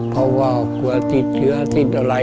เพราะว่ากลัวติดเชื้อติดอะไร